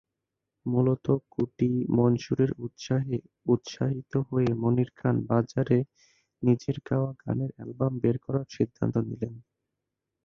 মূলত কুটি মনসুরের উৎসাহে উৎসাহিত হয়ে মনির খান বাজারে নিজের গাওয়া গানের অ্যালবাম বের করার সিদ্ধান্ত নিলেন।